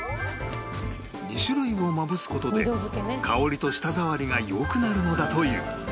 ２種類をまぶす事で香りと舌触りが良くなるのだという